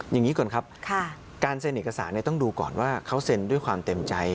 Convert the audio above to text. อย่างนี้ก่อนครับการเซ็นเอกสารต้องดูก่อนว่าเขาเซ็นด้วยความเต็มใจ